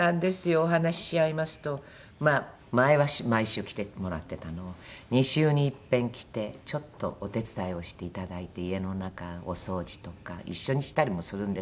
お話ししちゃいますとまあ前は毎週来てもらってたのを２週に一遍来てちょっとお手伝いをしていただいて家の中お掃除とか一緒にしたりもするんですが。